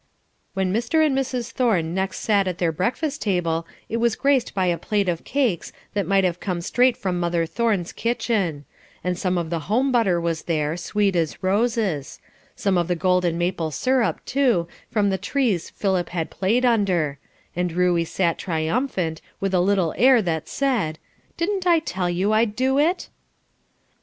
When Mr. and Mrs. Thorne next sat at their breakfast table it was graced by a plate of cakes that might have come straight from mother Thorne's kitchen; and some of the home butter was there, sweet as roses; some of the golden maple syrup, too, from the trees Philip had played under; and Ruey sat triumphant, with a little air that said "Didn't I tell you I'd do it?"